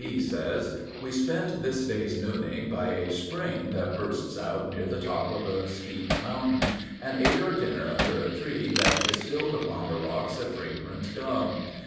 B. says: "We spent this day's nooning by a spring that bursts out near the top of a steep mountain, and ate our dinner under a tree that distilled upon the rocks a fragrant gum.